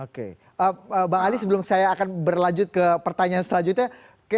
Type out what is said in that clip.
oke bang ali sebelum saya akan berlanjut ke pertanyaan selanjutnya